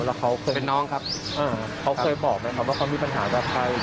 แล้วเขาเคยเป็นน้องครับเขาเคยบอกไหมครับว่าเขามีปัญหากับใคร